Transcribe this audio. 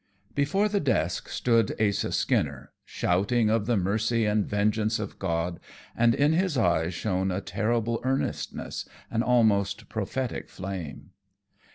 Before the desk stood Asa Skinner, shouting of the mercy and vengeance of God, and in his eyes shone a terrible earnestness, an almost prophetic flame.